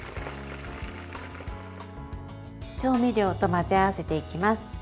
調味料と混ぜ合わせていきます。